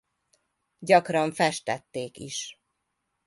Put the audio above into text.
Gyakran festették is.